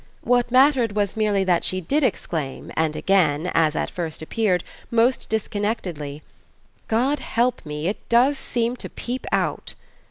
What mattered was merely that she did exclaim, and again, as at first appeared, most disconnectedly: "God help me, it does seem to peep out!"